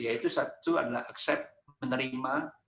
yaitu satu adalah accep menerima